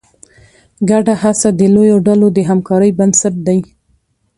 ګډه هڅه د لویو ډلو د همکارۍ بنسټ دی.